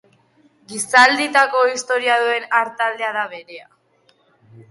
Gizalditako historia duen artaldea da berea.